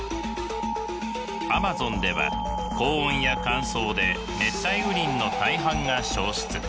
アマゾンでは高温や乾燥で熱帯雨林の大半が消失。